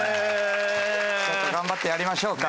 ちょっと頑張ってやりましょうか。